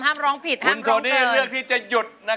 แตรงไม่ดี